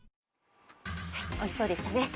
おいしそうでしたね。